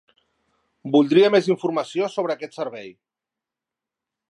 Voldria més informació sobre aquest servei.